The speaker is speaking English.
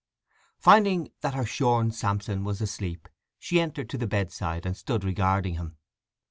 Finding that her shorn Samson was asleep she entered to the bedside and stood regarding him.